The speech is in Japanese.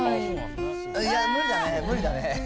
いや、無理だね、無理だね。